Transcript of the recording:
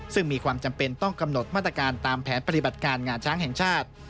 ซึ่งมีความจำเป็นต้องกำหนดมาตรการตามแผนปฏิบัติการงาช้างแห่งชาติ